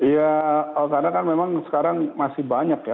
ya karena kan memang sekarang masih banyak ya